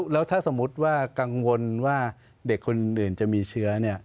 แล้วถ้าสมมุติว่ากังวลว่าเด็กคนอื่นจะมีเชื้อ